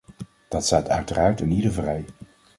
Dat staat uiteraard eenieder vrij.